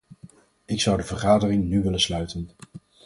Ik zou de vergadering nu willen sluiten.